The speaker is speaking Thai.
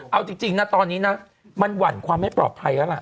เอาจริงนะตอนนี้นะมันหวั่นความไม่ปลอดภัยแล้วล่ะ